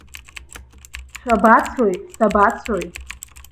Шәабацои, сабацои?